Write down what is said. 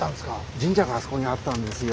神社があそこにあったんですよ。